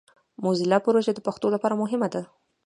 موزیلا پروژه د پښتو لپاره مهمه ده.